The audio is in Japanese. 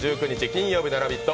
金曜日の「ラヴィット！」